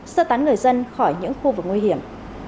sơ tán người dân khỏi những khu vực nguy hiểm